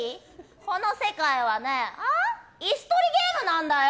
この世界はね椅子取りゲームなんだよ！